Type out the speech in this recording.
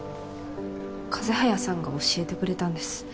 風早さんが教えてくれたんです。